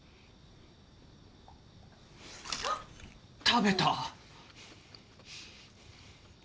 食べた。